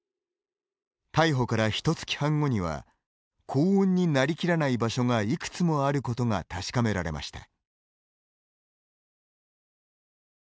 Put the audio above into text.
逮捕から、ひと月半後には高温になりきらない場所がいくつもあることが確かめられました。